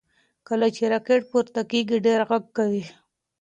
کله چې راکټ پورته کیږي ډېر غږ کوي.